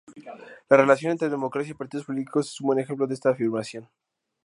La relación entre democracia y partidos políticos es un buen ejemplo de esta afirmación.